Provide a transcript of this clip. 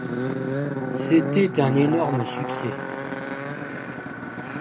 C'était un énorme succès.